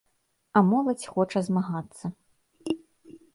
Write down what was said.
А моладзь хоча змагацца.